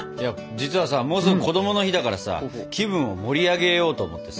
実はさもうすぐこどもの日だからさ気分を盛り上げようと思ってさ。